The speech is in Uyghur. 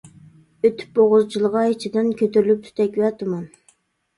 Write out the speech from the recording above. ئۆتۈپ بوغۇز، جىلغا ئىچىدىن، كۆتۈرۈلۈپ تۈتەك ۋە تۇمان.